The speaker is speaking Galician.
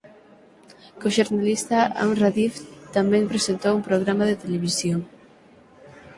Co xornalista Amr Adib tamén presentou un programa de televisión.